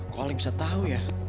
kok ali bisa tau ya